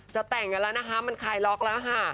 แต่งกันแล้วนะคะมันคลายล็อกแล้วค่ะ